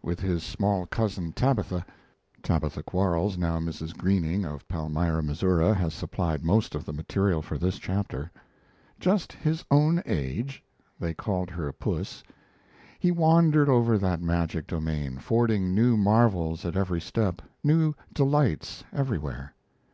With his small cousin, Tabitha, [Tabitha Quarles, now Mrs. Greening, of Palmyra, Missouri, has supplied most of the material for this chapter.] just his own age (they called her Puss), he wandered over that magic domain, fording new marvels at every step, new delights everywhere.